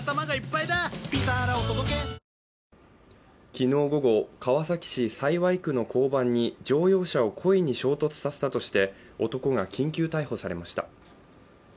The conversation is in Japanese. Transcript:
昨日午後、川崎市幸区の交番に乗用車を故意に衝突させたとして男が緊急逮捕されました。